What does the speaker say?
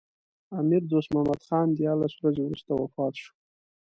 امیر دوست محمد خان دیارلس ورځې وروسته وفات شو.